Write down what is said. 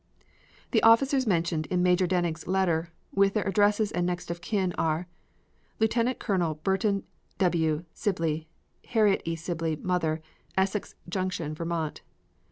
The officers mentioned in Major Denig's letter, with their addresses and next of kin, are: Lieutenant Colonel Berton W. Sibley; Harriet E. Sibley, mother; Essex Junction, Vt.